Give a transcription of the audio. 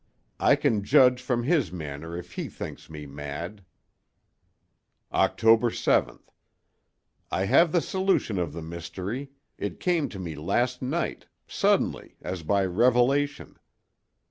I can judge from his manner if he thinks me mad. "Oct. 7.—I have the solution of the mystery; it came to me last night—suddenly, as by revelation.